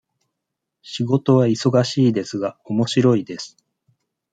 仕事は忙しいですが、おもしろいです。